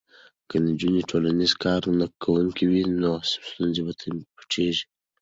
که نجونې ټولنیزې کارکوونکې وي نو ستونزې به نه پټیږي.